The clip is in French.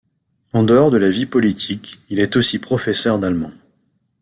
En dehors de la vie politique, il est aussi professeur d'allemand.